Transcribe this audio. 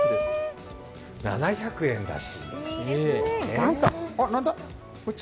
７００円だし。